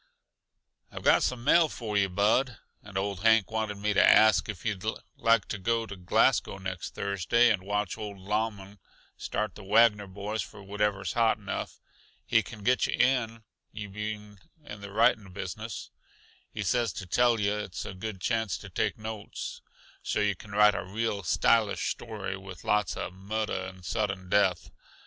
"I've got some mail for yuh, Bud. And old Hank wanted me to ask yuh if you'd like to go to Glasgow next Thursday and watch old Lauman start the Wagner boys for wherever's hot enough. He can get yuh in, you being in the writing business. He says to tell yuh it's a good chance to take notes, so yuh can write a real stylish story, with lots uh murder and sudden death in it.